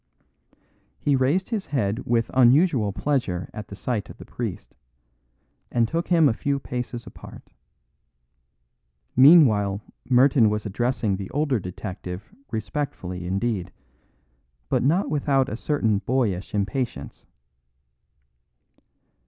He raised his head with unusual pleasure at the sight of the priest, and took him a few paces apart. Meanwhile Merton was addressing the older detective respectfully indeed, but not without a certain boyish impatience.